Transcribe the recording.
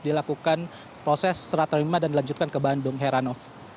dilakukan proses serat terima dan dilanjutkan ke bandung heranov